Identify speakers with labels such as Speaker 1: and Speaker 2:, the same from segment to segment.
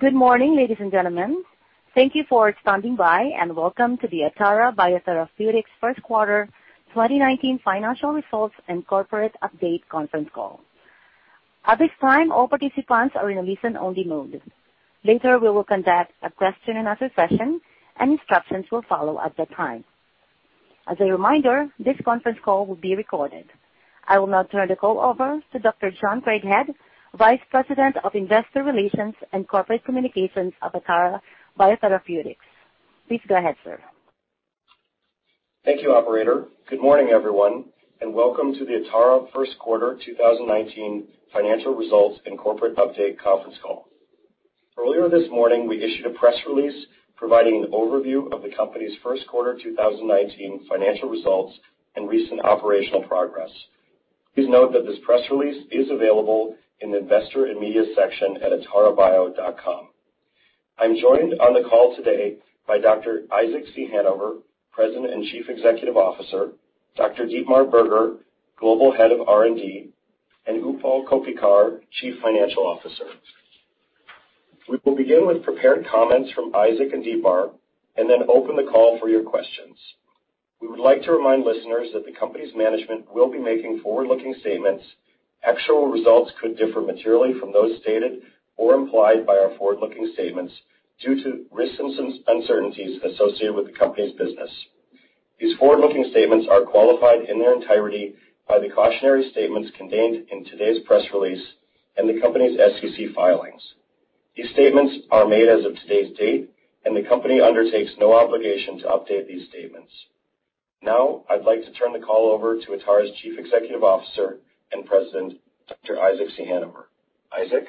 Speaker 1: Good morning, ladies and gentlemen. Thank you for standing by, and welcome to the Atara Biotherapeutics first quarter 2019 financial results and corporate update conference call. At this time, all participants are in a listen-only mode. Later, we will conduct a question and answer session, and instructions will follow at the time. As a reminder, this conference call will be recorded. I will now turn the call over to Dr. John Craighead, Vice President of Investor Relations and Corporate Communications at Atara Biotherapeutics. Please go ahead, sir.
Speaker 2: Thank you, operator. Good morning, everyone, and welcome to the Atara first quarter 2019 financial results and corporate update conference call. Earlier this morning, we issued a press release providing an overview of the company's first quarter 2019 financial results and recent operational progress. Please note that this press release is available in the Investor and Media section at atarabio.com. I'm joined on the call today by Dr. Isaac Ciechanover, President and Chief Executive Officer, Dr. Dietmar Berger, Global Head of R&D, and Utpal Koppikar, Chief Financial Officer. We will begin with prepared comments from Isaac and Dietmar, then open the call for your questions. We would like to remind listeners that the company's management will be making forward-looking statements. Actual results could differ materially from those stated or implied by our forward-looking statements due to risks and uncertainties associated with the company's business. These forward-looking statements are qualified in their entirety by the cautionary statements contained in today's press release and the company's SEC filings. These statements are made as of today's date, the company undertakes no obligation to update these statements. Now, I'd like to turn the call over to Atara's Chief Executive Officer and President, Dr. Isaac Ciechanover. Isaac?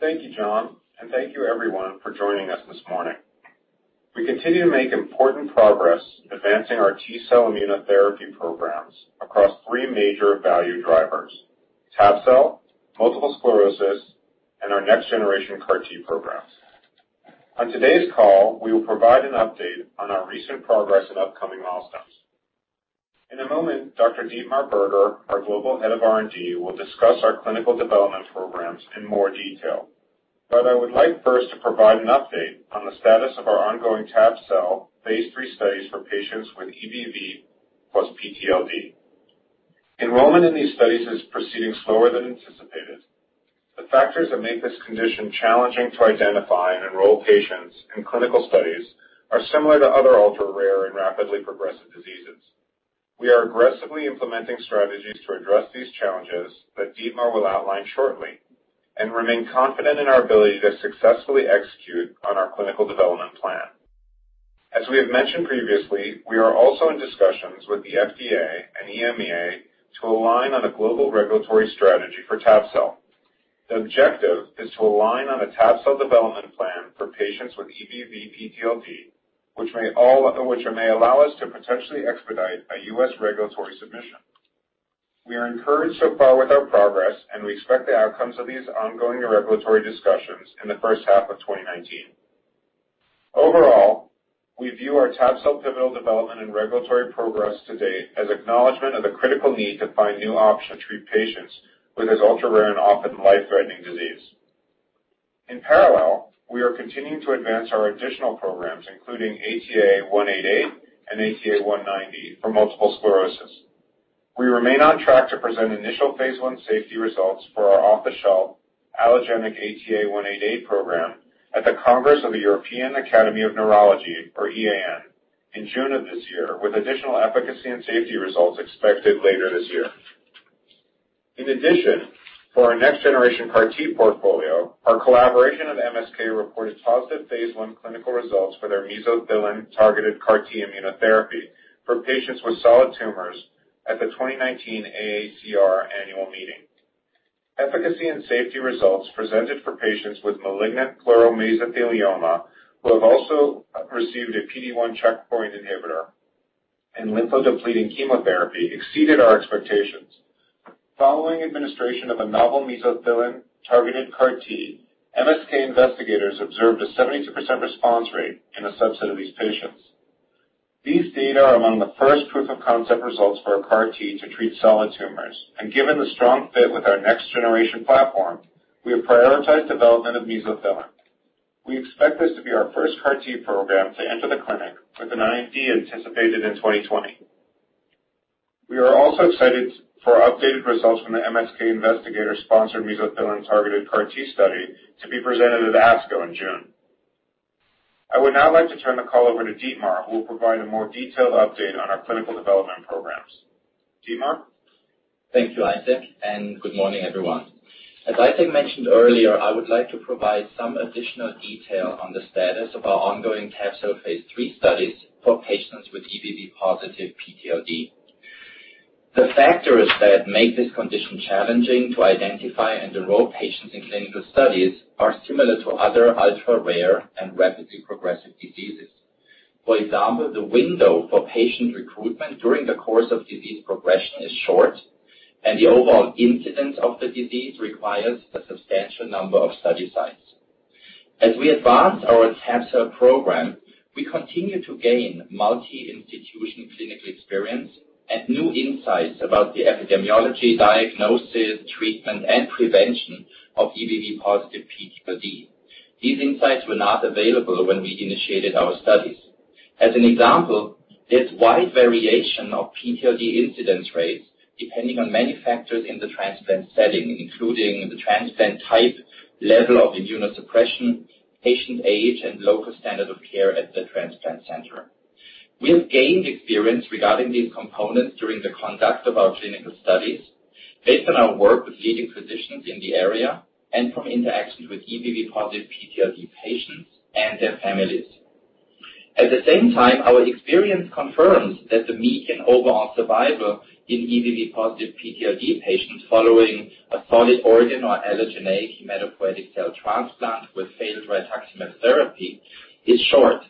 Speaker 3: Thank you, John, thank you, everyone, for joining us this morning. We continue to make important progress advancing our T-cell immunotherapy programs across three major value drivers; tab-cel, Multiple Sclerosis, and our next-generation CAR-T programs. On today's call, we will provide an update on our recent progress and upcoming milestones. In a moment, Dr. Dietmar Berger, our Global Head of R&D, will discuss our clinical development programs in more detail. I would like first to provide an update on the status of our ongoing tab-cel phase III studies for patients with EBV plus PTLD. Enrollment in these studies is proceeding slower than anticipated. The factors that make this condition challenging to identify and enroll patients in clinical studies are similar to other ultra-rare and rapidly progressive diseases. We are aggressively implementing strategies to address these challenges that Dietmar will outline shortly, and remain confident in our ability to successfully execute on our clinical development plan. As we have mentioned previously, we are also in discussions with the FDA and EMA to align on a global regulatory strategy for tab-cel. The objective is to align on a tab-cel development plan for patients with EBV PTLD, which may allow us to potentially expedite a U.S. regulatory submission. We are encouraged so far with our progress, and we expect the outcomes of these ongoing regulatory discussions in the first half of 2019. Overall, we view our tab-cel pivotal development and regulatory progress to date as acknowledgement of the critical need to find new options to treat patients with this ultra-rare and often life-threatening disease. In parallel, we are continuing to advance our additional programs, including ATA188 and ATA190 for multiple sclerosis. We remain on track to present initial phase I safety results for our off-the-shelf allogeneic ATA188 program at the Congress of the European Academy of Neurology, or EAN, in June of this year, with additional efficacy and safety results expected later this year. In addition, for our next generation CAR-T portfolio, our collaboration with MSK reported positive phase I clinical results for their mesothelin-targeted CAR-T immunotherapy for patients with solid tumors at the 2019 AACR annual meeting. Efficacy and safety results presented for patients with malignant pleural mesothelioma who have also received a PD-1 checkpoint inhibitor and lympho-depleting chemotherapy exceeded our expectations. Following administration of a novel mesothelin targeted CAR-T, MSK investigators observed a 72% response rate in a subset of these patients. These data are among the first proof-of-concept results for a CAR-T to treat solid tumors, and given the strong fit with our next-generation platform, we have prioritized development of mesothelin. We expect this to be our first CAR-T program to enter the clinic with an IND anticipated in 2020. We are also excited for updated results from the MSK investigator-sponsored mesothelin-targeted CAR-T study to be presented at ASCO in June. I would now like to turn the call over to Dietmar, who will provide a more detailed update on our clinical development programs. Dietmar?
Speaker 4: Thank you, Isaac, and good morning, everyone. As Isaac mentioned earlier, I would like to provide some additional detail on the status of our ongoing tab-cel phase III studies for patients with EBV positive PTLD. The factors that make this condition challenging to identify and enroll patients in clinical studies are similar to other ultra-rare and rapidly progressive diseases. For example, the window for patient recruitment during the course of disease progression is short, and the overall incidence of the disease requires a substantial number of study sites. As we advanced our tab-cel program We continue to gain multi-institution clinical experience and new insights about the epidemiology, diagnosis, treatment, and prevention of EBV positive PTLD. These insights were not available when we initiated our studies. As an example, there's wide variation of PTLD incidence rates depending on many factors in the transplant setting, including the transplant type, level of immunosuppression, patient age, and local standard of care at the transplant center. We have gained experience regarding these components during the conduct of our clinical studies based on our work with leading physicians in the area and from interactions with EBV positive PTLD patients and their families. At the same time, our experience confirms that the median overall survival in EBV positive PTLD patients following a solid organ or allogeneic hematopoietic cell transplant with failed rituximab therapy is short,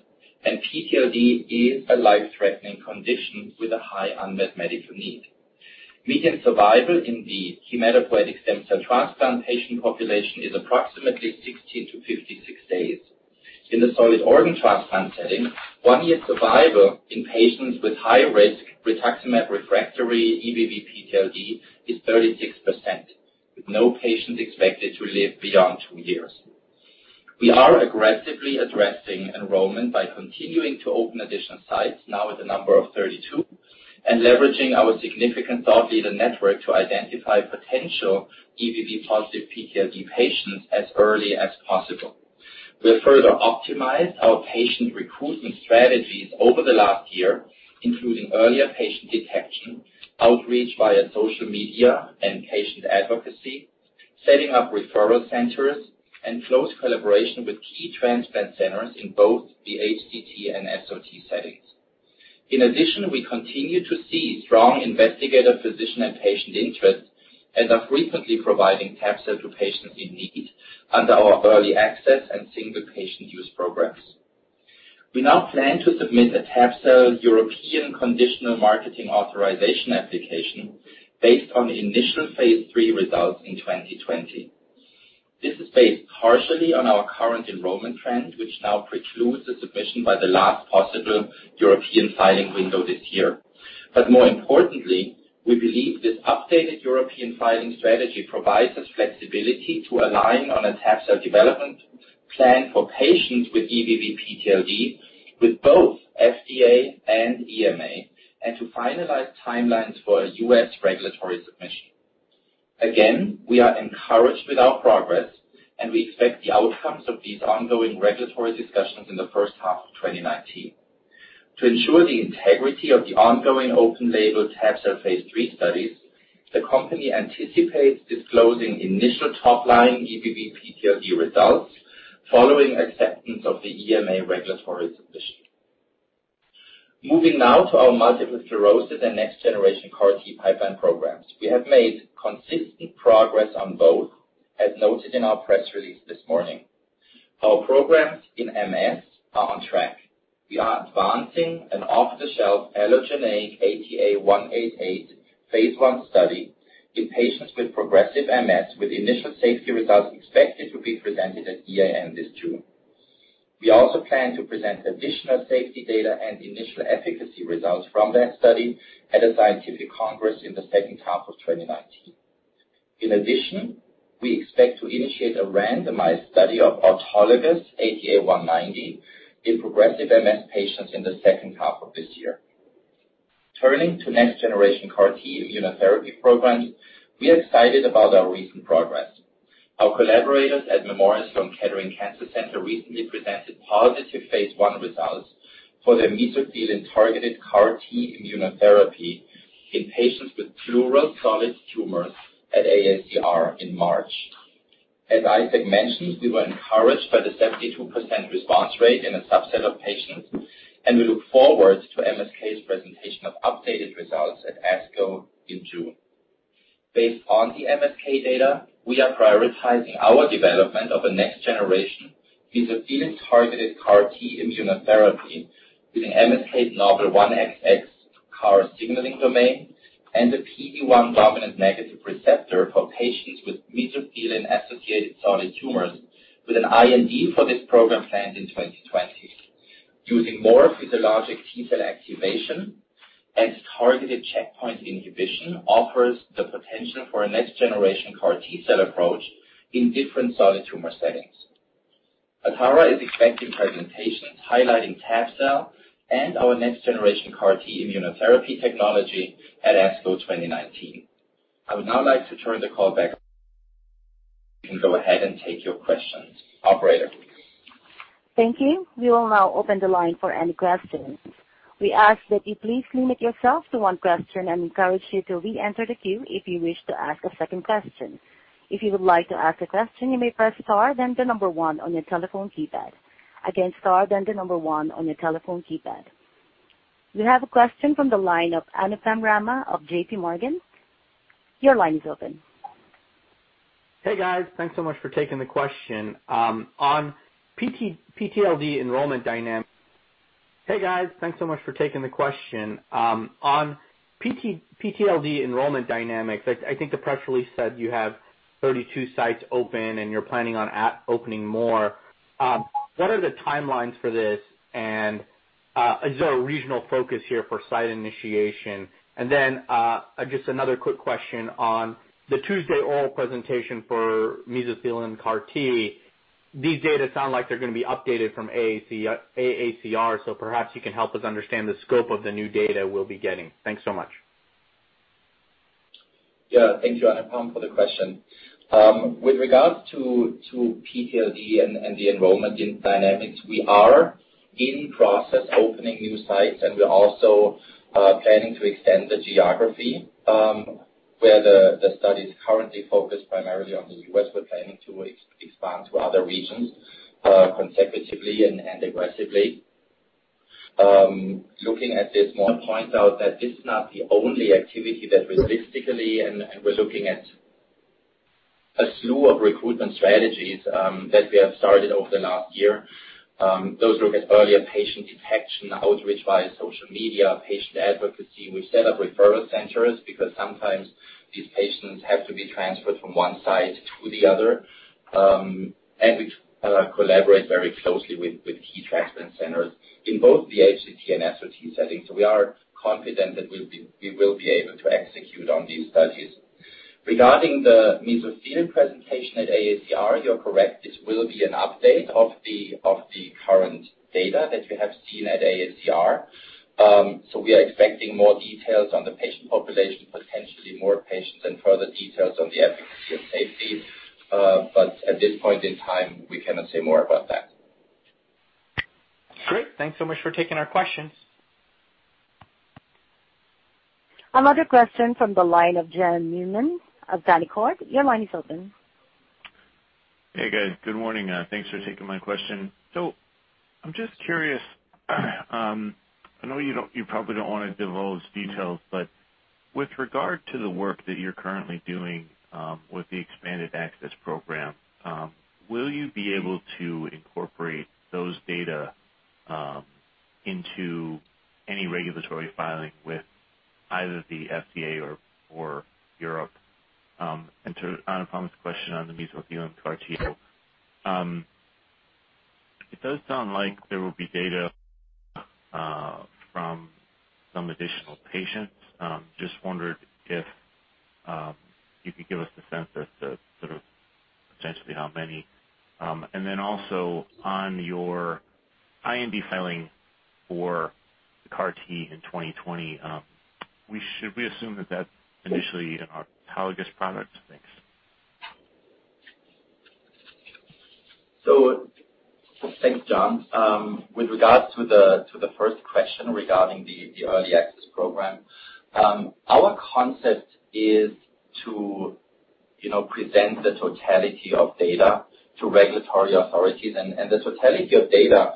Speaker 4: and PTLD is a life-threatening condition with a high unmet medical need. Median survival in the hematopoietic stem cell transplant patient population is approximately 16 to 56 days. In the solid organ transplant setting, one-year survival in patients with high-risk rituximab refractory EBV PTLD is 36%, with no patient expected to live beyond two years. We are aggressively addressing enrollment by continuing to open additional sites, now at the number of 32, and leveraging our significant thought leader network to identify potential EBV positive PTLD patients as early as possible. We have further optimized our patient recruitment strategies over the last year, including earlier patient detection, outreach via social media and patient advocacy, setting up referral centers, and close collaboration with key transplant centers in both the HCT and SOT settings. We continue to see strong investigator, physician, and patient interest, and are frequently providing tab-cel to patients in need under our early access and single-patient use programs. We now plan to submit a tab-cel European conditional marketing authorization application based on initial phase III results in 2020. This is based partially on our current enrollment trend, which now precludes the submission by the last possible European filing window this year. More importantly, we believe this updated European filing strategy provides us flexibility to align on a tab-cel development plan for patients with EBV PTLD with both FDA and EMA, and to finalize timelines for a U.S. regulatory submission. We are encouraged with our progress, and we expect the outcomes of these ongoing regulatory discussions in the first half of 2019. To ensure the integrity of the ongoing open label tab-cel phase III studies, the company anticipates disclosing initial top-line EBV PTLD results following acceptance of the EMA regulatory submission. Moving now to our multiple sclerosis and next generation CAR-T pipeline programs. We have made consistent progress on both, as noted in our press release this morning. Our programs in MS are on track. We are advancing an off-the-shelf allogeneic ATA188 phase I study in patients with progressive MS, with initial safety results expected to be presented at EAN this June. We also plan to present additional safety data and initial efficacy results from that study at a scientific congress in the second half of 2019. We expect to initiate a randomized study of autologous ATA190 in progressive MS patients in the second half of this year. Turning to next generation CAR-T immunotherapy programs, we are excited about our recent progress. Our collaborators at Memorial Sloan Kettering Cancer Center recently presented positive phase I results for their mesothelin-targeted CAR-T immunotherapy in patients with pleural solid tumors at AACR in March. As Isaac mentioned, we were encouraged by the 72% response rate in a subset of patients, and we look forward to MSK's presentation of updated results at ASCO in June. Based on the MSK data, we are prioritizing our development of a next generation mesothelin-targeted CAR T immunotherapy using MSK's novel 1XX CAR signaling domain and a PD-1 dominant negative receptor for patients with mesothelin-associated solid tumors, with an IND for this program planned in 2020. Using more physiologic T cell activation and targeted checkpoint inhibition offers the potential for a next generation CAR T-cell approach in different solid tumor settings. Atara is expecting presentations highlighting tab-cel and our next generation CAR T immunotherapy technology at ASCO 2019. I would now like to turn the call back. We can go ahead and take your questions. Operator.
Speaker 1: Thank you. We will now open the line for any questions. We ask that you please limit yourself to one question and encourage you to re-enter the queue if you wish to ask a second question. If you would like to ask a question, you may press star then the number one on your telephone keypad. Again, star then the number one on your telephone keypad. We have a question from the line of Anupam Rama of J.P. Morgan. Your line is open.
Speaker 5: Hey, guys. Thanks so much for taking the question. On PTLD enrollment dynamics Hey, guys, thanks so much for taking the question. On PTLD enrollment dynamics, I think the press release said you have 32 sites open and you're planning on opening more. What are the timelines for this, and is there a regional focus here for site initiation? Just another quick question on the Tuesday oral presentation for mesothelin CAR T. These data sound like they're going to be updated from AACR, so perhaps you can help us understand the scope of the new data we'll be getting. Thanks so much.
Speaker 4: Yeah. Thank you, Anupam, for the question. With regards to PTLD and the enrollment dynamics, we are in process opening new sites and we're also planning to extend the geography, where the study is currently focused primarily on the U.S. We're planning to expand to other regions, consecutively and aggressively. Looking at this, I want to point out that this is not the only activity, and we're looking at a slew of recruitment strategies that we have started over the last year. Those look at earlier patient detection, outreach via social media, patient advocacy. We set up referral centers because sometimes these patients have to be transferred from one site to the other. We collaborate very closely with key transplant centers in both the HCT and SOT settings. We are confident that we will be able to execute on these studies. Regarding the mesothelin presentation at AACR, you're correct. It will be an update of the current data that we have seen at AACR. We are expecting more details on the patient population, potentially more patients and further details on the efficacy and safety. At this point in time, we cannot say more about that.
Speaker 5: Great. Thanks so much for taking our questions.
Speaker 1: Another question from the line of John Newman of Canaccord. Your line is open.
Speaker 6: Hey guys. Good morning. Thanks for taking my question. I'm just curious. I know you probably don't want to divulge details, but with regard to the work that you're currently doing with the expanded access program, will you be able to incorporate those data into any regulatory filing with either the FDA or Europe? To Anupam's question on the mesothelin CAR T, it does sound like there will be data from some additional patients. Just wondered if you could give us the sense as to sort of potentially how many. Also on your IND filing for the CAR T in 2020, should we assume that that's initially an autologous product? Thanks.
Speaker 4: Thanks, John. With regards to the first question regarding the early access program, our concept is to present the totality of data to regulatory authorities. The totality of data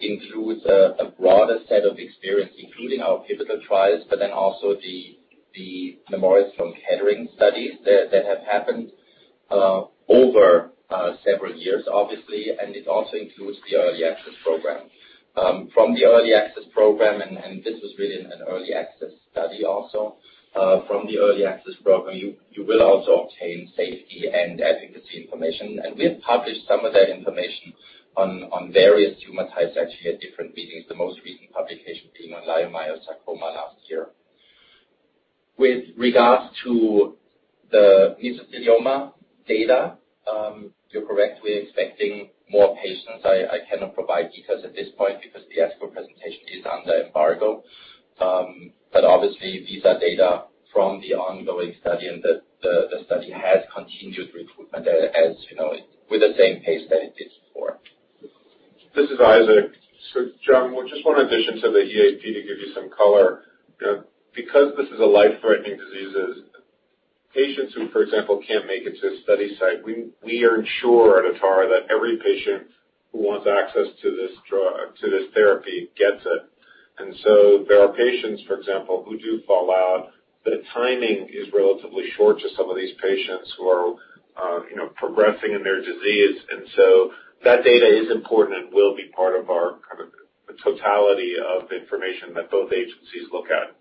Speaker 4: includes a broader set of experience, including our pivotal trials, also the Memorial Sloan Kettering studies that have happened over several years, obviously, and it also includes the early access program. From the early access program, this was really an early access study also. From the early access program, you will also obtain safety and efficacy information. We have published some of that information on various tumor types actually at different meetings, the most recent publication being on leiomyosarcoma last year. With regards to the mesothelioma data, you're correct. We're expecting more patients. I cannot provide details at this point because the ASCO presentation is under embargo. Obviously these are data from the ongoing study, the study has continued recruitment as you know, with the same pace that it did before.
Speaker 3: This is Isaac. John, just one addition to the EAP to give you some color. Because this is a life-threatening disease, patients who, for example, can't make it to a study site, we ensure at Atara that every patient who wants access to this therapy gets it. There are patients, for example, who do fall out, the timing is relatively short to some of these patients who are progressing in their disease. That data is important and will be part of our totality of information that both agencies look at.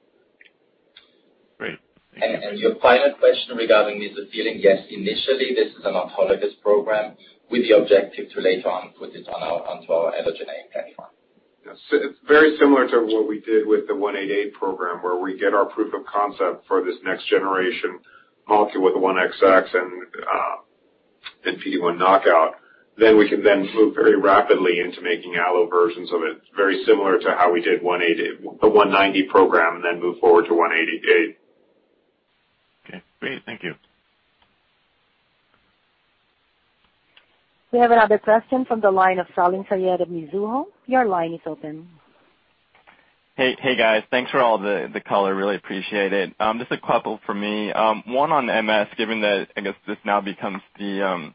Speaker 6: Great. Thank you.
Speaker 4: To your prior question regarding mesothelin, yes, initially this is an autologous program with the objective to later on put this onto our allogeneic platform.
Speaker 3: Yeah. It's very similar to what we did with the 188 program, where we get our proof of concept for this next generation molecule with 1XX and PD-1 knockout. We can then move very rapidly into making allo versions of it, very similar to how we did the 190 program and then moved forward to 188.
Speaker 6: Okay, great. Thank you.
Speaker 1: We have another question from the line of Salim Syed of Mizuho. Your line is open.
Speaker 7: Hey guys. Thanks for all the color, really appreciate it. Just a couple from me. One on MS, given that, I guess this now becomes the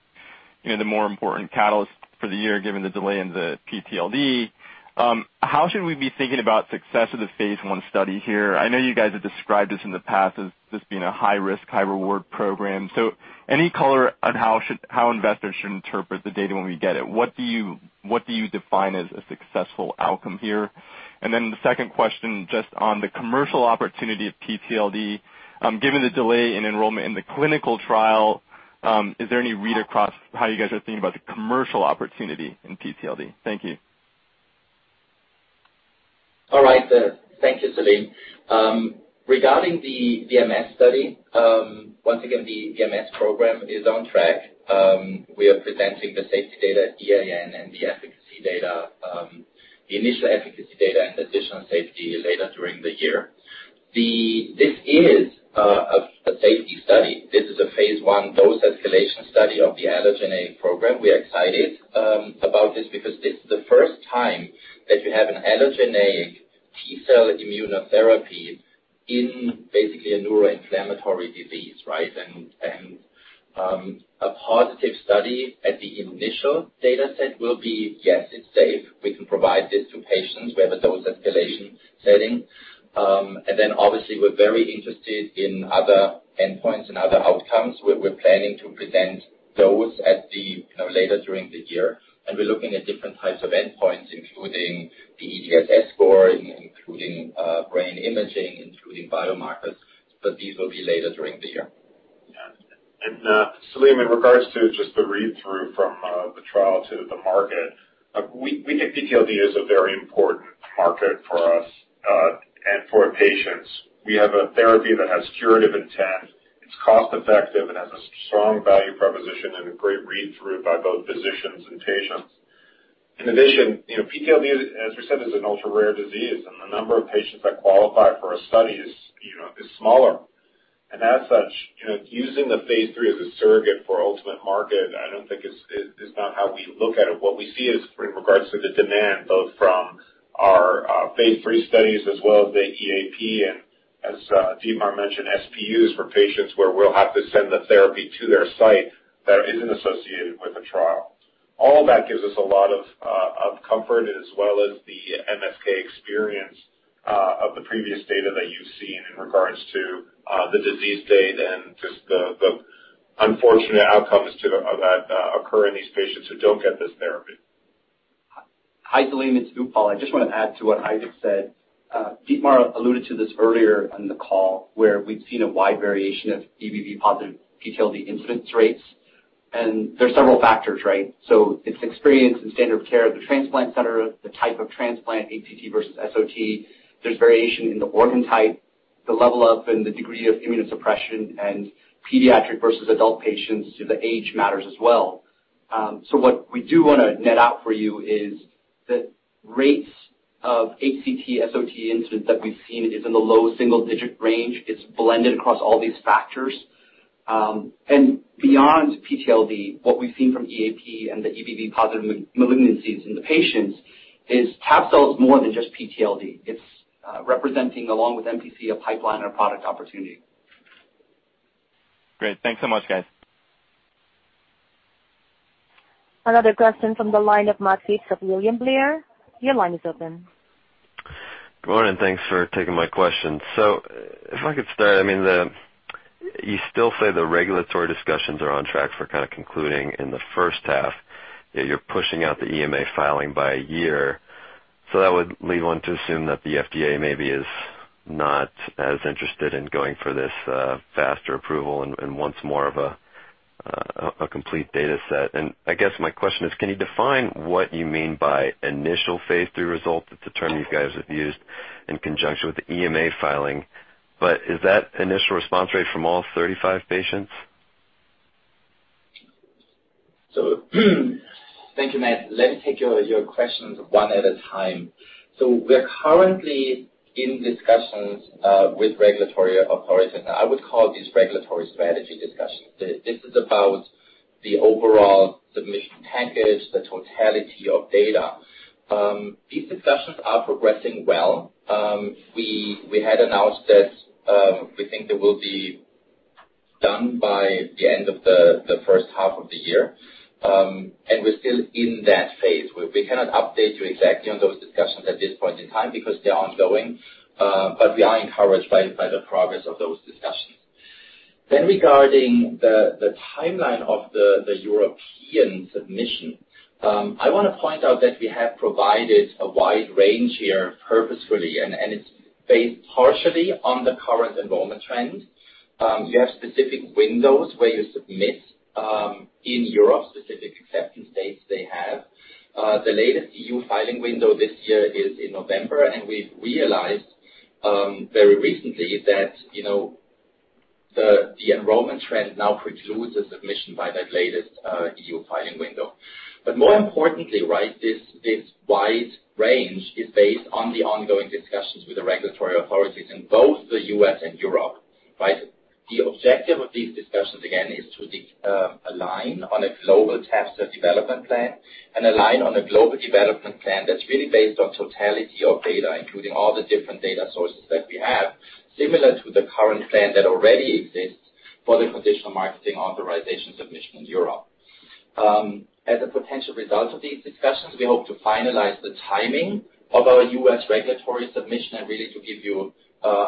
Speaker 7: more important catalyst for the year, given the delay in the PTLD. How should we be thinking about success of the phase I study here? I know you guys have described this in the past as this being a high risk, high reward program. Any color on how investors should interpret the data when we get it? What do you define as a successful outcome here? The second question, just on the commercial opportunity of PTLD, given the delay in enrollment in the clinical trial, is there any read across how you guys are thinking about the commercial opportunity in PTLD? Thank you.
Speaker 4: All right. Thank you, Salim. Regarding the MS study, once again, the MS program is on track. We are presenting the safety data at EAN and the initial efficacy data and additional safety data during the year. This is a safety study. This is a phase I dose escalation study of the allogeneic program. We are excited about this because this is the first time that you have an allogeneic T-cell immunotherapy in basically a neuroinflammatory disease, right? A positive study at the initial data set will be, yes, it's safe. We can provide this to patients. We have a dose escalation setting. Obviously we're very interested in other endpoints and other outcomes. We're planning to present those later during the year, and we're looking at different types of endpoints, including the EDSS score, including brain imaging, including biomarkers. These will be later during the year.
Speaker 3: Salim, in regards to just the read-through from the trial to the market, we think PTLD is a very important market for us, and for patients. We have a therapy that has curative intent. It's cost-effective. It has a strong value proposition and a great read-through by both physicians and patients. In addition, PTLD, as we said, is an ultra-rare disease, and the number of patients that qualify for a study is smaller. As such, using the phase III as a surrogate for ultimate market, I don't think is not how we look at it. What we see is in regards to the demand, both from our phase III studies as well as the EAP and as Dietmar mentioned, SPUs for patients where we'll have to send the therapy to their site that isn't associated with a trial. All that gives us a lot of comfort, as well as the MSK experience of the previous data that you've seen in regards to the disease state and just the unfortunate outcomes that occur in these patients who don't get this therapy.
Speaker 8: Hi, Salim, it's Utpal. I just want to add to what Isaac said. Dietmar alluded to this earlier in the call, where we've seen a wide variation of EBV positive PTLD incidence rates, there's several factors, right? It's experience and standard of care at the transplant center, the type of transplant, HCT versus SOT. There's variation in the organ type, the level of, and the degree of immunosuppression and pediatric versus adult patients, the age matters as well. What we do want to net out for you is the rates of HCT/SOT incidence that we've seen is in the low single-digit range. It's blended across all these factors. Beyond PTLD, what we've seen from EAP and the EBV positive malignancies in the patients is CAR-T cells is more than just PTLD. It's representing, along with NPC, a pipeline and a product opportunity.
Speaker 7: Great. Thanks so much, guys.
Speaker 1: Another question from the line of Matt Field of William Blair. Your line is open.
Speaker 9: Good morning. Thanks for taking my question. If I could start, you still say the regulatory discussions are on track for concluding in the first half, yet you're pushing out the EMA filing by a year. That would lead one to assume that the FDA maybe is not as interested in going for this faster approval and wants more of a complete data set. I guess my question is, can you define what you mean by initial phase III result? It's a term you guys have used in conjunction with the EMA filing, but is that initial response rate from all 35 patients?
Speaker 4: Thank you, Matt. Let me take your questions one at a time. We're currently in discussions with regulatory authorities, and I would call these regulatory strategy discussions. This is about the overall submission package, the totality of data. These discussions are progressing well. We had announced that we think they will be done by the end of the first half of the year. We're still in that phase. We cannot update you exactly on those discussions at this point in time because they are ongoing. We are encouraged by the progress of those discussions. Regarding the timeline of the European submission, I want to point out that we have provided a wide range here purposefully, and it's based partially on the current enrollment trend. You have specific windows where you submit, in Europe, specific acceptance dates they have. The latest E.U. filing window this year is in November, and we've realized, very recently that the enrollment trend now precludes a submission by that latest E.U. filing window. More importantly, right, this wide range is based on the ongoing discussions with the regulatory authorities in both the U.S. and Europe. Right? The objective of these discussions, again, is to align on a global test development plan and align on a global development plan that's really based on totality of data, including all the different data sources that we have. Similar to the current plan that already exists for the conditional marketing authorisation submission in Europe. As a potential result of these discussions, we hope to finalize the timing of our U.S. regulatory submission and really to give you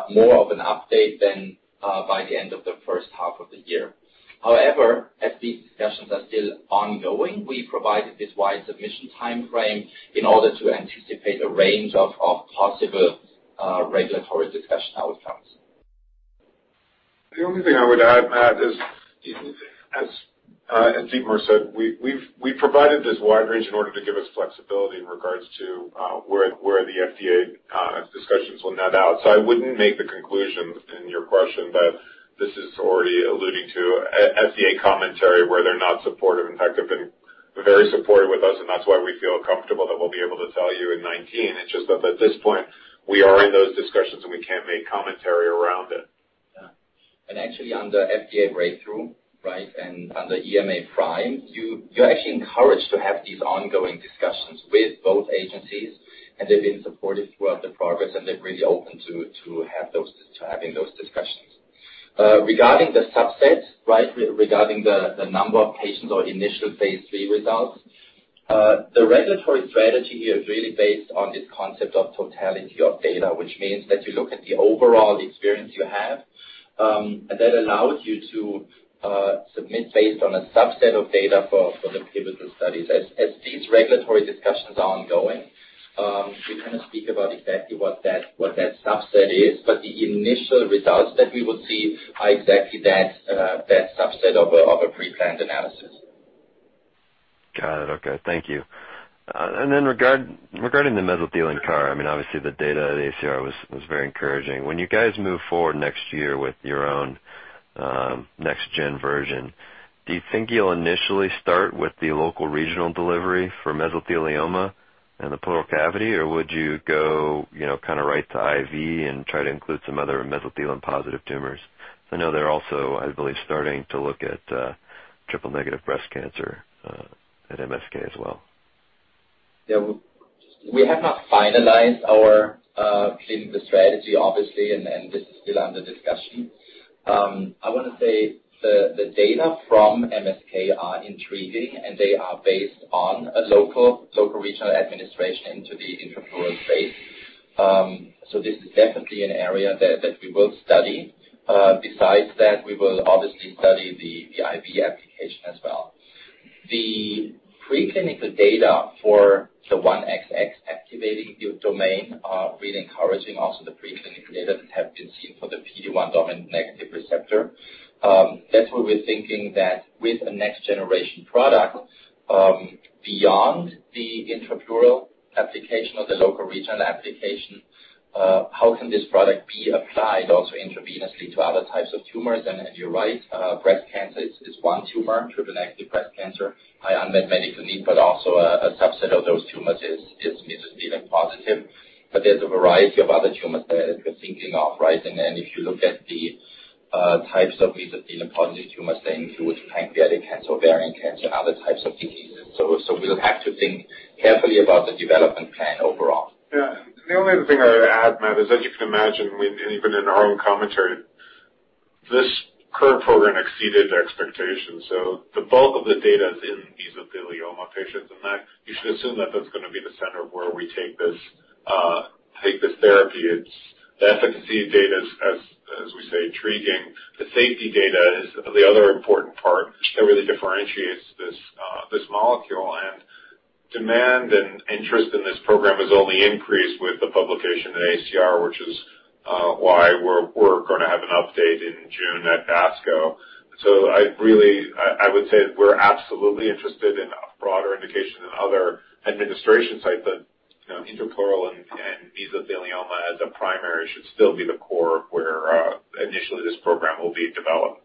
Speaker 4: more of an update than by the end of the first half of the year. However, as these discussions are still ongoing, we provided this wide submission timeframe in order to anticipate a range of possible regulatory discussion outcomes.
Speaker 3: The only thing I would add, Matt, is as Dietmar said, we've provided this wide range in order to give us flexibility in regards to where the FDA discussions will net out. I wouldn't make the conclusion in your question that this is already alluding to FDA commentary where they're not supportive. In fact, they've been very supportive with us, and that's why we feel comfortable that we'll be able to tell you in 2019. It's just that at this point, we are in those discussions, we can't make commentary around it.
Speaker 4: Yeah. Actually under FDA Breakthrough, under EMA PRIME, you're actually encouraged to have these ongoing discussions with both agencies, they've been supportive throughout the progress, they're really open to having those discussions. Regarding the subset. Regarding the number of patients or initial phase III results, the regulatory strategy here is really based on this concept of totality of data, which means that you look at the overall experience you have, that allows you to submit based on a subset of data for the pivotal studies. As these regulatory discussions are ongoing, we cannot speak about exactly what that subset is, but the initial results that we will see are exactly that subset of a pre-planned analysis.
Speaker 9: Got it. Okay. Thank you. Then regarding the mesothelioma, I mean, obviously, the data at AACR was very encouraging. When you guys move forward next year with your own next-gen version, do you think you'll initially start with the local regional delivery for mesothelioma in the pleural cavity, or would you go right to IV and try to include some other mesothelioma-positive tumors? I know they're also, I believe, starting to look at triple-negative breast cancer at MSK as well.
Speaker 4: Yeah. We have not finalized our clinical strategy, obviously, this is still under discussion. I want to say the data from MSK are intriguing, they are based on a local regional administration into the intrapleural space. This is definitely an area that we will study. Besides that, we will obviously study the IV application as well. The preclinical data for the 1XX activating domain are really encouraging. Also, the preclinical data that have been seen for the PD-1 dominant negative receptor. That's where we're thinking that with a next-generation product, beyond the intrapleural application or the local regional application, how can this product be applied also intravenously to other types of tumors? You're right, breast cancer is one tumor, triple-negative breast cancer, high unmet medical need, but also a subset of those tumors is mesothelin positive. There's a variety of other tumors that you're thinking of, right? If you look at the types of mesothelin-positive tumors, they include pancreatic cancer, ovarian cancer, and other types of diseases. We'll have to think carefully about the development plan overall.
Speaker 3: Yeah. The only other thing I would add, Matt, is that you can imagine, and even in our own commentary, this current program exceeded expectations. The bulk of the data is in mesothelioma patients, and you should assume that that's going to be the center of where we take this therapy. The efficacy data is, as we say, intriguing. The safety data is the other important part that really differentiates this molecule, and demand and interest in this program has only increased with the publication in AACR, which is why we're going to have an update in June at ASCO. I would say we're absolutely interested in a broader indication in other administration sites, but intrapleural and mesothelioma as a primary should still be the core of where initially this program will be developed.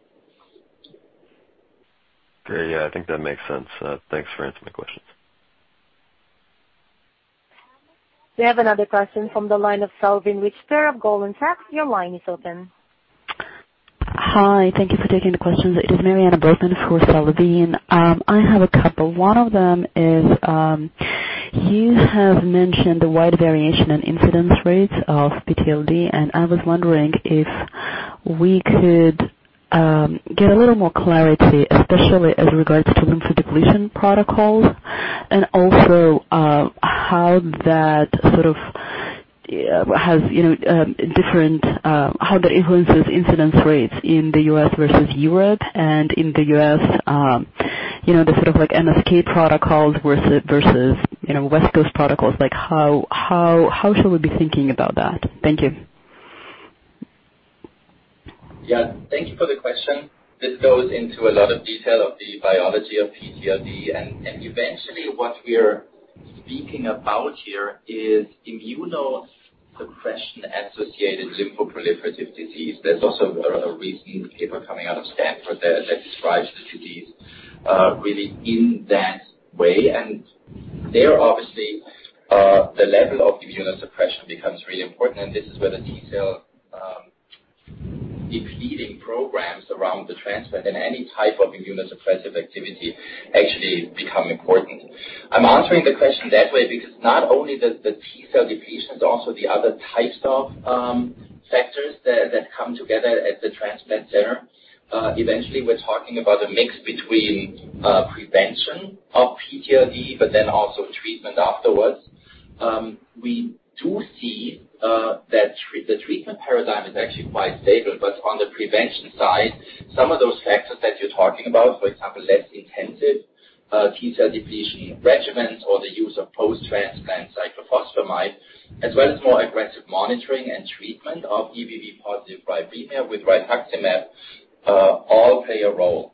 Speaker 9: Great. Yeah, I think that makes sense. Thanks for answering my questions.
Speaker 1: We have another question from the line of Salveen Richter. Of Goldman Sachs, your line is open.
Speaker 10: Hi. Thank you for taking the questions. It is Maryana Breitman for Salveen. I have a couple. One of them is, you have mentioned the wide variation and incidence rates of PTLD, and I was wondering if we could get a little more clarity, especially as regards to lymphodepletion protocols. Also, how that influences incidence rates in the U.S. versus Europe and in the U.S., the sort of like MSK protocols versus West Coast protocols. How should we be thinking about that? Thank you.
Speaker 4: Yeah. Thank you for the question. This goes into a lot of detail of the biology of PTLD. Eventually, what we're speaking about here is immunosuppression-associated lymphoproliferative disease. There's also a recent paper coming out of Stanford that describes the disease really in that way. There, obviously, the level of immunosuppression becomes really important, and this is where the T-cell depleting programs around the transplant and any type of immunosuppressive activity actually become important. I'm answering the question that way because not only the T-cell depletion, also the other types of factors that come together at the transplant center. Eventually, we're talking about a mix between prevention of PTLD, also treatment afterwards. We do see that the treatment paradigm is actually quite stable. On the prevention side, some of those factors that you're talking about, for example, less intensive T-cell depletion regimens or the use of post-transplant cyclophosphamide, as well as more aggressive monitoring and treatment of EBV positive viremia with rituximab all play a role.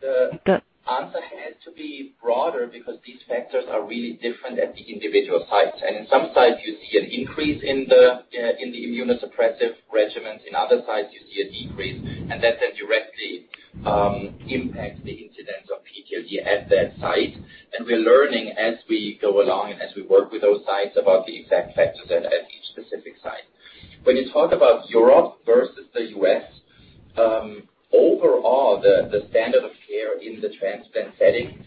Speaker 4: The answer has to be broader because these factors are really different at the individual sites. In some sites you see an increase in the immunosuppressive regimens. In other sites you see a decrease. That then directly impacts the incidence of PTLD at that site. We're learning as we go along and as we work with those sites about the exact factors at each specific site. When you talk about Europe versus the U.S., overall, the standard of care in the transplant setting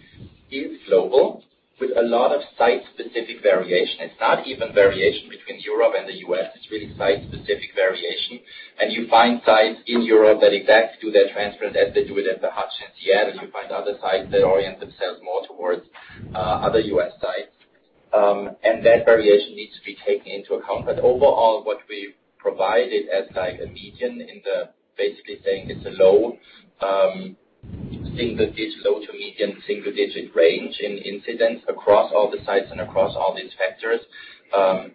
Speaker 4: is global with a lot of site-specific variation. It's not even variation between Europe and the U.S. It's really site-specific variation. You find sites in Europe that exactly do their transplant as they do it at the Hutchinson, yet you find other sites that orient themselves more towards other U.S. sites. That variation needs to be taken into account. Overall, what we provided as a median in the, basically saying it's a low single-digit, low to medium single-digit range in incidence across all the sites and across all these factors.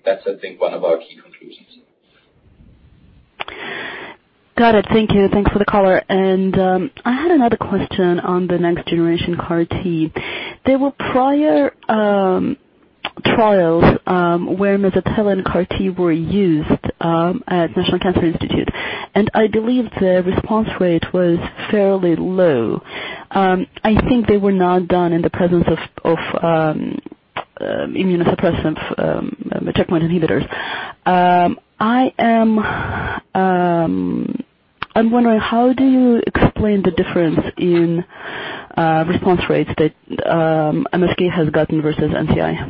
Speaker 4: That's, I think, one of our key conclusions.
Speaker 10: Got it. Thank you. Thanks for the color. I had another question on the next generation CAR-T. There were prior trials where mesothelin CAR-T were used at National Cancer Institute, and I believe the response rate was fairly low. I think they were not done in the presence of immunosuppressants checkpoint inhibitors. I'm wondering, how do you explain the difference in response rates that MSK has gotten versus NCI?
Speaker 4: Yeah,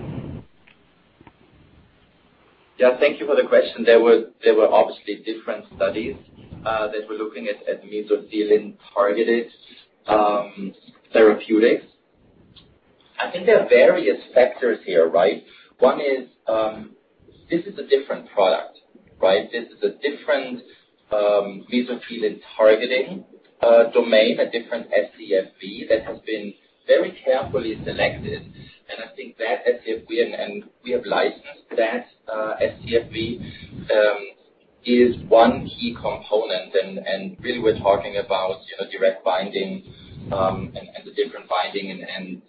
Speaker 4: thank you for the question. They were obviously different studies that were looking at mesothelin-targeted therapeutics. I think there are various factors here. One is, this is a different product. This is a different mesothelin-targeting domain, a different scFv that has been very carefully selected. I think that, and we have licensed that scFv, is one key component. Really we're talking about direct binding and the different binding and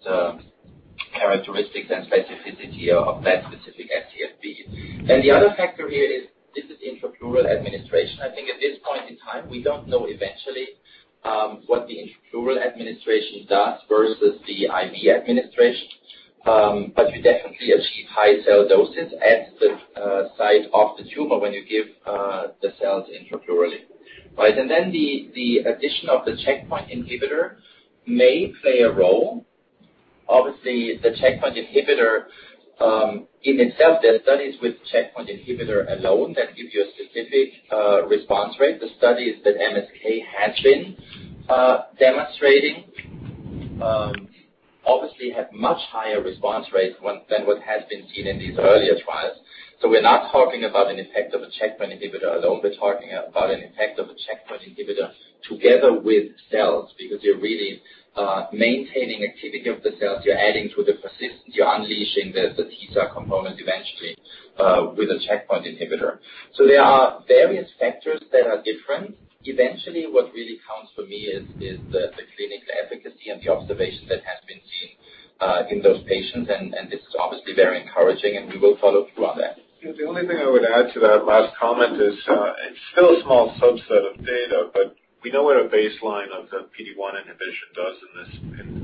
Speaker 4: characteristics and specificity of that specific scFv. The other factor here is this is intrapleural administration. I think at this point in time, we don't know eventually what the intrapleural administration does versus the IV administration. You definitely achieve high cell doses at the site of the tumor when you give the cells intrapleurally. Right? The addition of the checkpoint inhibitor may play a role. Obviously, the checkpoint inhibitor in itself, there are studies with checkpoint inhibitor alone that give you a specific response rate. The studies that MSK have been demonstrating obviously have much higher response rates than what has been seen in these earlier trials. We're not talking about an effect of a checkpoint inhibitor alone. We're talking about an effect of a checkpoint inhibitor together with cells because you're really maintaining activity of the cells. You're adding to the persistence. You're unleashing the T-cell component eventually with a checkpoint inhibitor. There are various factors that are different. Eventually, what really counts for me is the clinical efficacy and the observation that has been seen in those patients. This is obviously very encouraging, and we will follow through on that.
Speaker 3: The only thing I would add to that last comment is it's still a small subset of data, but we know what a baseline of the PD-1 inhibition does in this condition.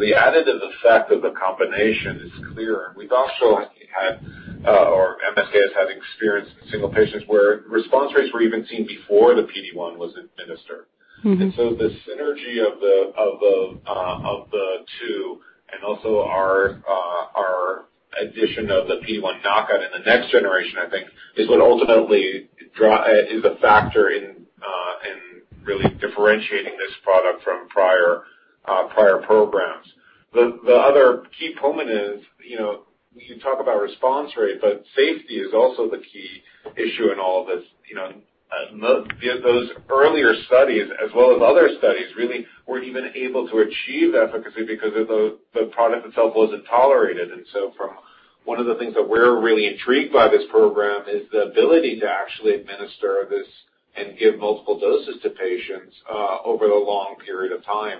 Speaker 3: The additive effect of the combination is clearer. We've also had, or MSK has had experience in single patients where response rates were even seen before the PD-1 was administered. The synergy of the two and also our addition of the PD-1 knockout in the next generation, I think is what ultimately is a factor in really differentiating this product from prior programs. The other key component is we can talk about response rate, but safety is also the key issue in all of this. Those earlier studies, as well as other studies, really weren't even able to achieve efficacy because the product itself wasn't tolerated. From one of the things that we're really intrigued by this program is the ability to actually administer this and give multiple doses to patients over a long period of time.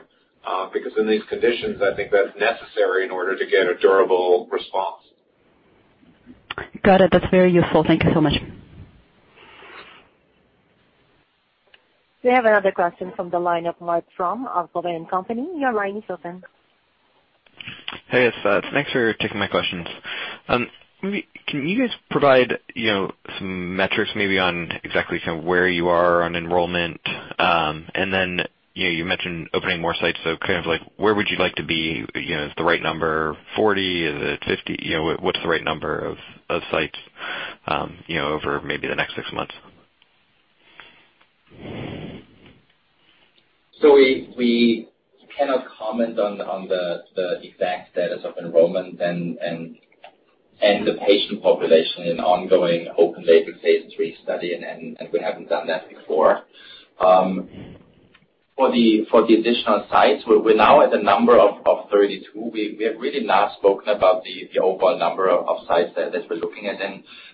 Speaker 3: In these conditions, I think that's necessary in order to get a durable response.
Speaker 10: Got it. That's very useful. Thank you so much.
Speaker 1: We have another question from the line of Marc Frahm, of Cowen and Company. Your line is open.
Speaker 11: Hey, guys. Thanks for taking my questions. Can you guys provide some metrics maybe on exactly where you are on enrollment? You mentioned opening more sites. Where would you like to be? Is the right number 40? Is it 50? What's the right number of sites over maybe the next six months?
Speaker 4: We cannot comment on the exact status of enrollment and the patient population in ongoing open label phase III study. We haven't done that before. For the additional sites, we're now at the number of 32. We have really not spoken about the overall number of sites that we're looking at.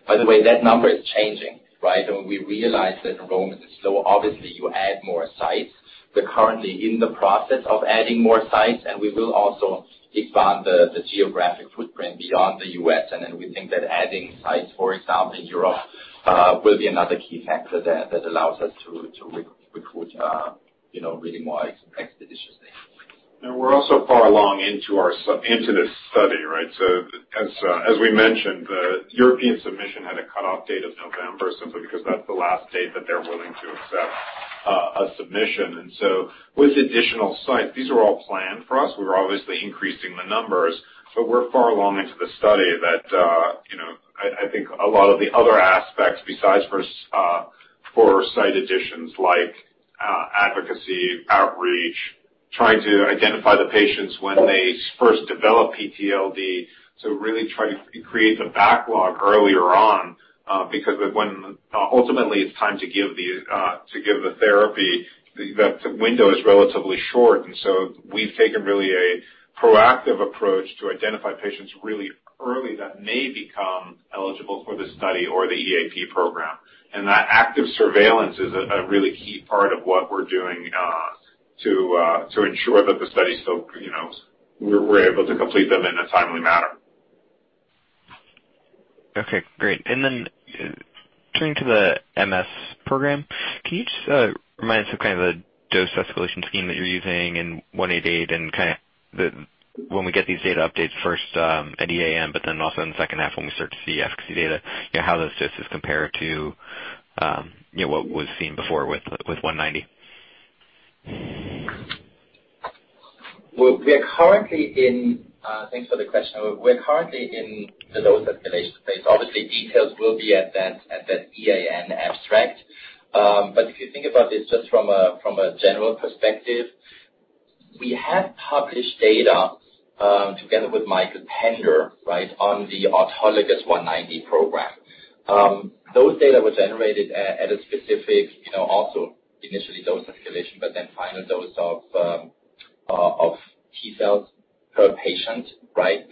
Speaker 4: By the way, that number is changing. Right? We realize that enrollment is slow. Obviously, you add more sites. We're currently in the process of adding more sites, and we will also expand the geographic footprint beyond the U.S. We think that adding sites, for example, in Europe, will be another key factor that allows us to recruit really more expeditiously.
Speaker 3: We're also far along into this study, right? As we mentioned, the European submission had a cutoff date of November, simply because that's the last date that they're willing to accept a submission. With additional sites, these are all planned for us. We're obviously increasing the numbers, but we're far along into the study that I think a lot of the other aspects besides for site additions like advocacy, outreach, trying to identify the patients when they first develop PTLD, to really try to create the backlog earlier on, because when ultimately it's time to give the therapy, that window is relatively short. We've taken really a proactive approach to identify patients really early that may become eligible for the study or the EAP program. That active surveillance is a really key part of what we're doing to ensure that the study. We're able to complete them in a timely manner.
Speaker 11: Okay, great. Turning to the MS program, can you just remind us of the dose escalation scheme that you're using in 188 and when we get these data updates first at EAN, also in the second half when we start to see efficacy data, how those doses compare to what was seen before with 190?
Speaker 4: Thanks for the question. We're currently in the dose escalation phase. Obviously, details will be at that EAN abstract. If you think about this just from a general perspective, we have published data, together with Michael Pender, right, on the autologous 190 program. Those data were generated at a specific, also initially dose escalation, but then final dose of T cells per patient. Right?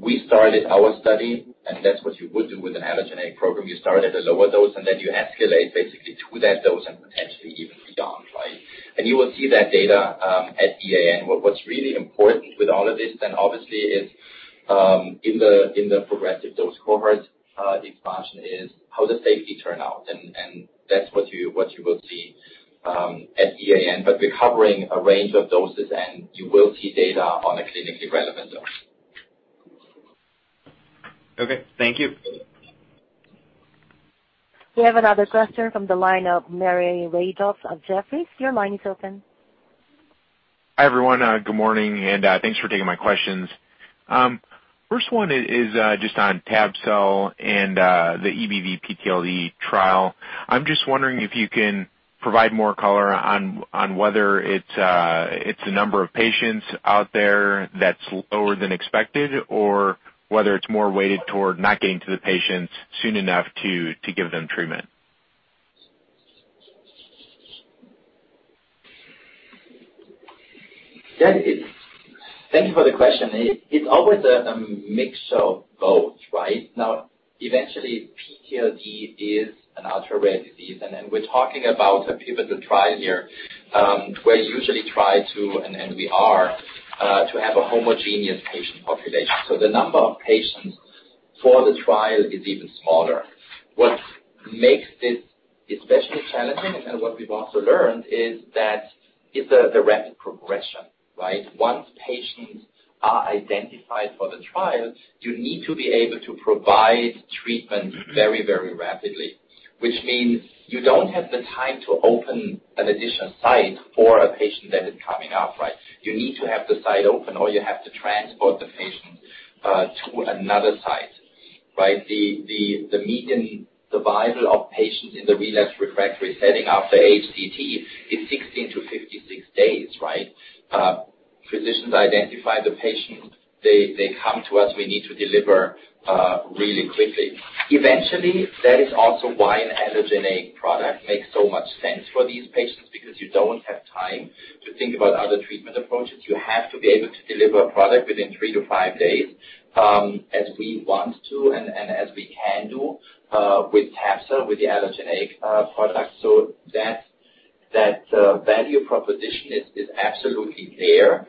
Speaker 4: We started our study, and that's what you would do with an allogeneic program. You start at a lower dose, and then you escalate basically to that dose and potentially even beyond. Right? You will see that data at EAN. What's really important with all of this then, obviously, is in the progressive dose cohort expansion is how the safety turn out, and that's what you will see at EAN. We're covering a range of doses, and you will see data on a clinically relevant dose.
Speaker 11: Okay. Thank you.
Speaker 1: We have another question from the line of Biren Amin of Jefferies. Your line is open.
Speaker 12: Hi, everyone. Good morning, and thanks for taking my questions. First one is just on tab-cel and the EBV PTLD trial. I'm just wondering if you can provide more color on whether it's the number of patients out there that's lower than expected, or whether it's more weighted toward not getting to the patients soon enough to give them treatment.
Speaker 4: Thank you for the question. It's always a mix of both, right? Eventually, PTLD is an ultra-rare disease, and we're talking about a pivotal trial here, where you usually try to, and we are, to have a homogeneous patient population. The number of patients for the trial is even smaller. What makes this especially challenging, and what we've also learned is that it's a rapid progression, right? Once patients are identified for the trial, you need to be able to provide treatment very, very rapidly, which means you don't have the time to open an additional site for a patient that is coming up, right? You need to have the site open, or you have to transport the patient to another site. Right? The median survival of patients in the relapsed refractory setting after HCT is 16-56 days. Right? Physicians identify the patient. They come to us. We need to deliver really quickly. Eventually, that is also why an allogeneic product makes so much sense for these patients, because you don't have time to think about other treatment approaches. You have to be able to deliver a product within 3-5 days, as we want to and as we can do with tab-cel, with the allogeneic product. That value proposition is absolutely there.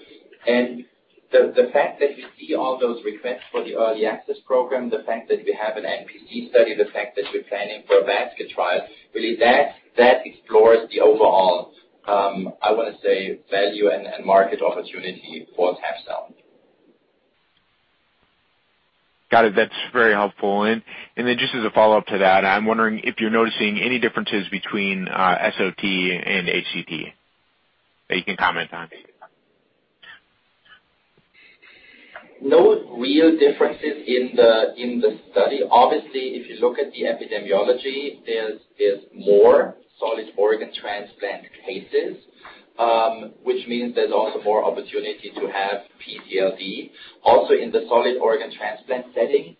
Speaker 4: The fact that we see all those requests for the early access program, the fact that we have an MPC study, the fact that we're planning for a basket trial, really that explores the overall, I want to say, value and market opportunity for tab-cel.
Speaker 12: Got it. That's very helpful. As a follow-up to that, I'm wondering if you're noticing any differences between SOT and HCT that you can comment on.
Speaker 4: No real differences in the study. Obviously, if you look at the epidemiology, there's more solid organ transplant cases, which means there's also more opportunity to have PTLD. Also, in the solid organ transplant setting,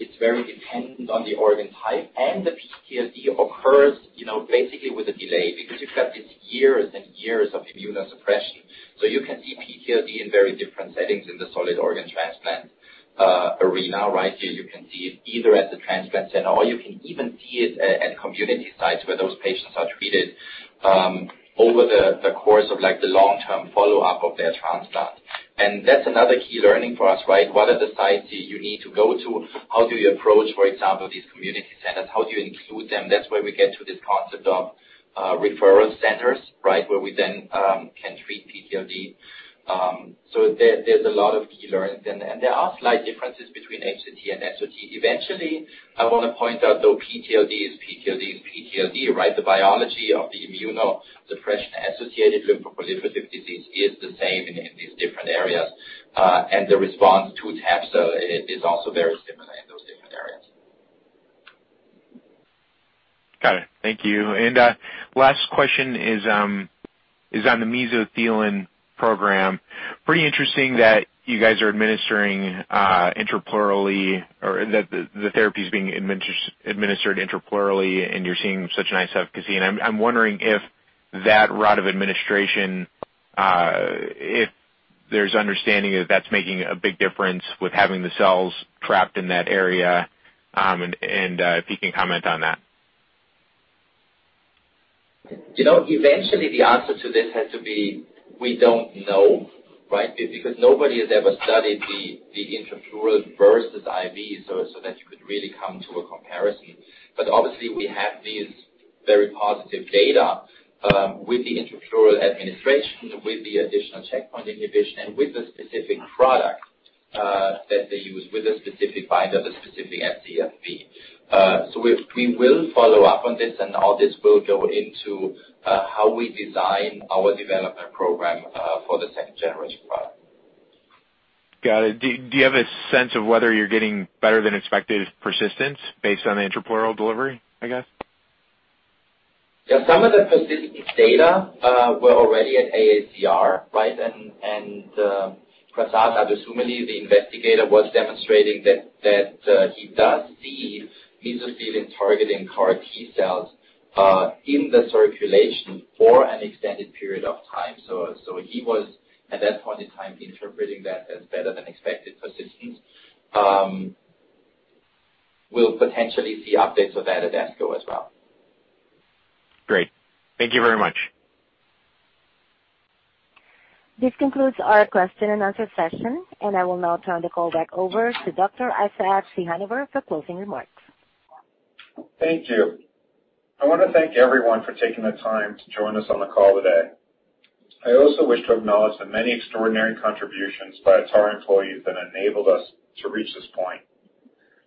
Speaker 4: it's very dependent on the organ type, and the PTLD occurs basically with a delay because you've got these years and years of immunosuppression. You can see PTLD in very different settings in the solid organ transplant arena, right? You can see it either at the transplant center, or you can even see it at community sites where those patients are treated over the course of the long-term follow-up of their transplant. That's another key learning for us, right? What are the sites you need to go to? How do you approach, for example, these community centers? How do you include them? That's where we get to this concept of referral centers, right? Where we then can treat PTLD. There's a lot of key learnings. There are slight differences between HCT and SOT. Eventually, I want to point out, though, PTLD is PTLD is PTLD, right? The biology of the immunosuppression-associated lymphoproliferative disease is the same in these different areas, and the response to tab-cel is also very similar in those different areas.
Speaker 12: Got it. Thank you. Last question is on the mesothelin program. Pretty interesting that you guys are administering intrapleurally, or that the therapy is being administered intrapleurally, and you're seeing such nice efficacy. I'm wondering if that route of administration, if there's understanding that that's making a big difference with having the cells trapped in that area, and if you can comment on that.
Speaker 4: Eventually, the answer to this has to be we don't know, right? Because nobody has ever studied the intrapleural versus IV so that you could really come to a comparison. Obviously, we have these very positive data with the intrapleural administration, with the additional checkpoint inhibition, and with the specific product that they use, with the specific binder, the specific FCFP. We will follow up on this, and all this will go into how we design our development program for the second-generation product.
Speaker 12: Got it. Do you have a sense of whether you're getting better than expected persistence based on the intrapleural delivery, I guess?
Speaker 4: Yeah, some of the persistence data were already at AACR, right? Prasad Adusumilli, the investigator, was demonstrating that he does see mesothelin-targeting CAR T cells in the circulation for an extended period of time. He was, at that point in time, interpreting that as better than expected persistence. We'll potentially see updates of that at ASCO as well.
Speaker 12: Great. Thank you very much.
Speaker 1: This concludes our question and answer session. I will now turn the call back over to Dr. Isaac Ciechanover for closing remarks.
Speaker 3: Thank you. I want to thank everyone for taking the time to join us on the call today. I also wish to acknowledge the many extraordinary contributions by our Atara employees that enabled us to reach this point.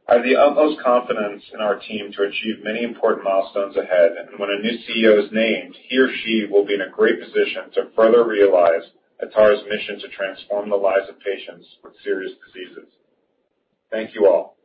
Speaker 3: I have the utmost confidence in our team to achieve many important milestones ahead. When a new CEO is named, he or she will be in a great position to further realize Atara's mission to transform the lives of patients with serious diseases. Thank you all.